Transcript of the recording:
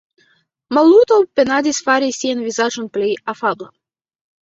Maluto penadis fari sian vizaĝon plej afabla.